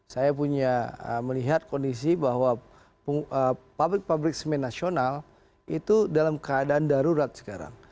saya punya melihat kondisi bahwa pabrik pabrik semen nasional itu dalam keadaan darurat sekarang